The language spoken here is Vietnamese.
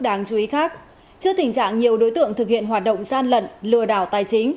trước tình trạng nhiều đối tượng thực hiện hoạt động gian lận lừa đảo tài chính